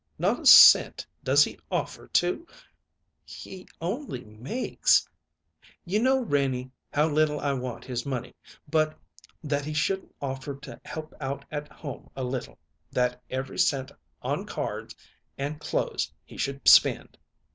Not a cent does he offer to " "He only makes " "You know, Renie, how little I want his money; but that he shouldn't offer to help out at home a little that every cent on cards and clothes he should spend!